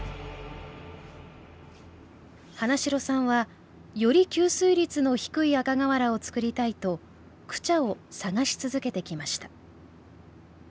花城さんはより吸水率の低い赤瓦を作りたいとクチャを探し続けてきました。